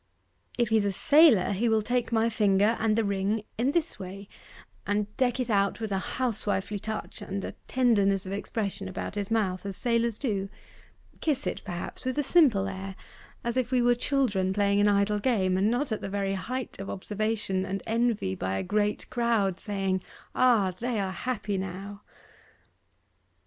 'If he's a sailor, he will take my finger and the ring in this way, and deck it out with a housewifely touch and a tenderness of expression about his mouth, as sailors do: kiss it, perhaps, with a simple air, as if we were children playing an idle game, and not at the very height of observation and envy by a great crowd saying, "Ah! they are happy now!"